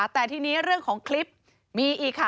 แต่ทีนี้เรื่องของคลิปมีอีกค่ะ